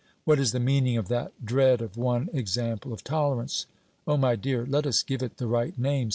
What is the meaning of that dread of one example of tolerance? O my dear! let us give it the right name.